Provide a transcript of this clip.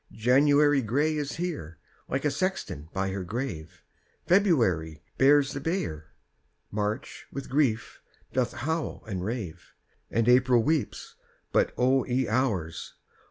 4. January gray is here, Like a sexton by her grave; _20 February bears the bier, March with grief doth howl and rave, And April weeps but, O ye Hours!